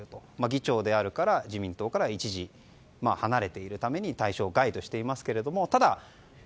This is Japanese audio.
議長であるから自民党から一時離れているために対象外としていますが。